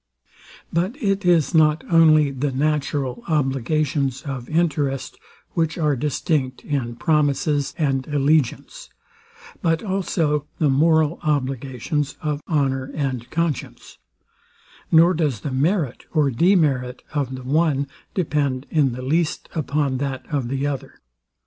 But it is not only the natural obligations of interest, which are distinct in promises and allegiance; but also the moral obligations of honour and conscience: Nor does the merit or demerit of the one depend in the least upon that of the other.